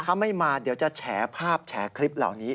ถ้าไม่มาเดี๋ยวจะแฉภาพแฉคลิปเหล่านี้